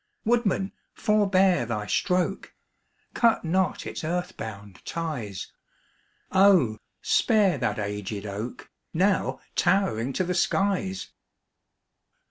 Woodman, forebear thy stroke! Cut not its earth bound ties; Oh, spare that aged oak, Now towering to the skies!